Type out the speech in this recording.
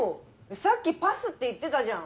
さっきパスって言ってたじゃん。